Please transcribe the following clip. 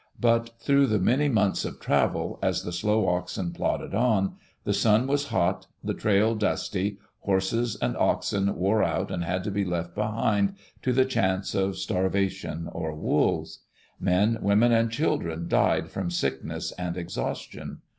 But through the many months of travel, as the slow oxen plodded on, the sun was hot, the trail dusty, horses and oxen wore out and had to be left behind to the chance of starvation or wolves. Men, women, and children died from sickness and exhaustion.